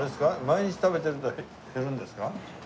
毎日食べてると減るんですか？